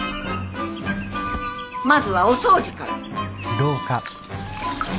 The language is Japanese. まずはお掃除から。